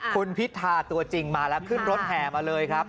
คุณพิธาตัวจริงมาแล้วขึ้นรถแห่มาเลยครับ